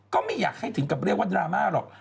ก็ไม่อยากให้ถึงกับเรียกว่าดราม่าหรอก